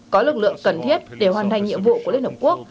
có lực lượng cần thiết để hoàn thành nhiệm vụ của liên hợp quốc